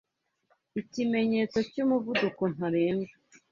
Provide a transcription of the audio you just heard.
ikimenyetso cy'umuvuduko ntarengwa